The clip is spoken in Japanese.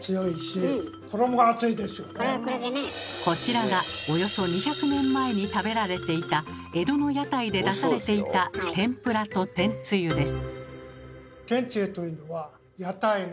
こちらがおよそ２００年前に食べられていた江戸の屋台で出されていた天ぷらと天つゆです。